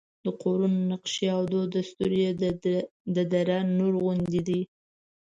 د کورونو نقشې او دود دستور یې د دره نور غوندې دی.